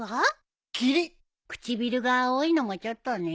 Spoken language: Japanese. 唇が青いのもちょっとね。